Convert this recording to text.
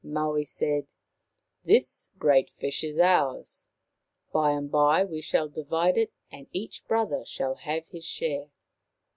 Maui said :" This great fish is ours. By and by we shall divide it and each brother shall have his share.